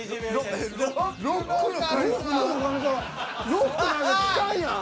ロックなんか聴かんやん。